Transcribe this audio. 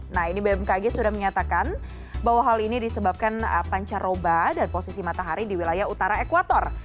nah ini bmkg sudah menyatakan bahwa hal ini disebabkan pancaroba dan posisi matahari di wilayah utara ekuator